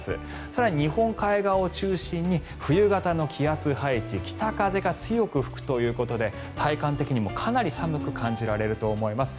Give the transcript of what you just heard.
更に日本海側を中心に冬型の気圧配置北風が強く吹くということで体感的にもかなり寒く感じられると思います。